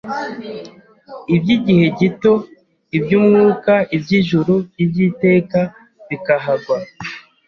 iby'igihe gito; iby'Umwuka, iby'ijuru, iby'iteka bikahagwa